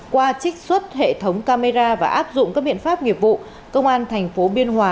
qua trích xuất hệ thống camera và áp dụng các biện pháp nghiệp vụ công an thành phố biên hòa